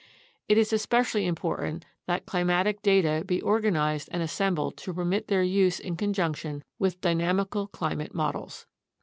It is especially important that climatic data be organized and assembled to permit their use in conjunction with dynamical climate models.